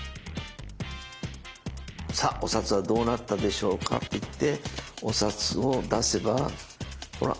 「さあお札はどうなったでしょうか」と言ってお札を出せばほら。